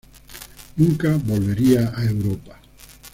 Nunca volvería a Europa.